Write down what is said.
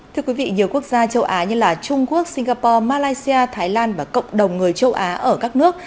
nhiều quốc gia châu á như trung quốc singapore malaysia thái lan và cộng đồng người châu á ở các nước